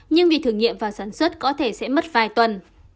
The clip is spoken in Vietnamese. nhưng vì thử nghiệm và sản xuất có thể sẽ mất vài tuần